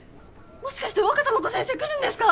もしかしてワカタマコ先生来るんですか？